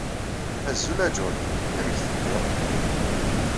Azul a John! Amek telliḍ?